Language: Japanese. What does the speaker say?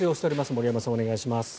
森山さん、お願いします。